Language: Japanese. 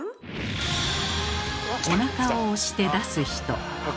おなかを押して出す人。